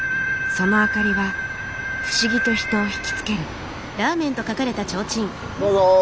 その明かりは不思議と人を引き付ける。